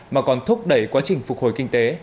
mà còn thúc đẩy quá trình phục hồi kinh tế